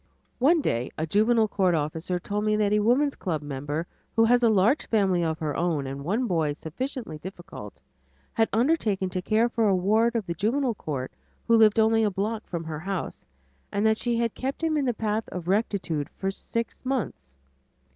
One day a Juvenile Court officer told me that a woman's club member, who has a large family of her own and one boy sufficiently difficult, had undertaken to care for a ward of the Juvenile Court who lived only a block from her house, and that she had kept him in the path of rectitude for six months.